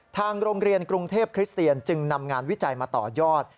ทางโรงเรียนกรุงเทพคริสเตียนจึงนำงานวิจัยมาต่อยอด